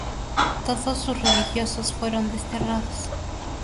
Todos sus religiosos fueron desterrados.